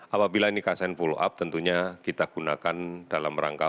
apabila ini kaset follow up tentunya kita gunakan dalam rangka